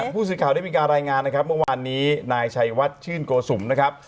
ผู้สื่อข่าวได้มีการรายงานนะครับเมื่อวานนี้นายชัยวัดชื่นโกสุมนะครับ